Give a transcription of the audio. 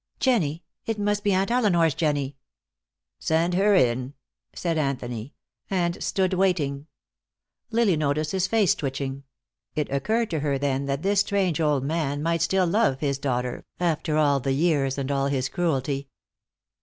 "Jennie! It must be Aunt Elinor's Jennie!" "Send her in," said Anthony, and stood waiting Lily noticed his face twitching; it occurred to her then that this strange old man might still love his daughter, after all the years, and all his cruelty.